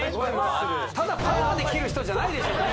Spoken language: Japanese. ただパワーで切る人じゃないでしょうね